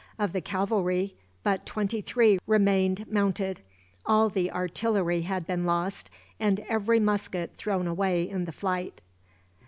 Of the cavalry but twenty three remained mounted, all the artillery had been lost, and every musket thrown away in the flight.